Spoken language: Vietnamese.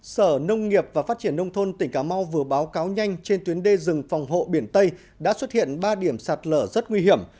sở nông nghiệp và phát triển nông thôn tỉnh cà mau vừa báo cáo nhanh trên tuyến đê rừng phòng hộ biển tây đã xuất hiện ba điểm sạt lở rất nguy hiểm